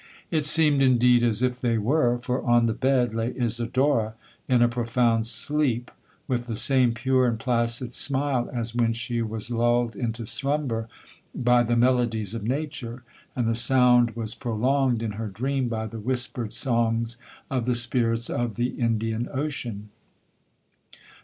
'It seemed, indeed, as if they were, for on the bed lay Isidora in a profound sleep, with the same pure and placid smile as when she was lulled into slumber by the melodies of nature, and the sound was prolonged in her dream by the whispered songs of the spirits of the Indian Ocean.